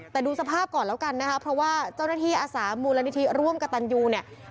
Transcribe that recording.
แต่ดูสภาพก่อนแล้วกันนะคะเพราะว่าเจ้าหน้าที่อาสามูลนิธิร่วมกับตันยูเนี่ย